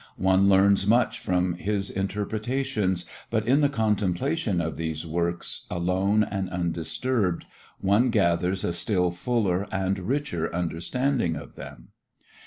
One learns much from his interpretations but in the contemplation of these works, alone and undisturbed, one gathers a still fuller and richer understanding of them.